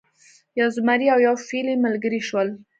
یو زمری او یو فیلی ملګري شول.